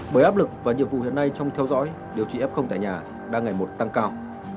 bởi áp lực và nhiệm vụ hiện nay trong theo dõi điều trị f tại nhà đang ngày một tăng cao